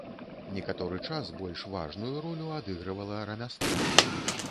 Некаторы час больш важную ролю адыгрывала рамяство.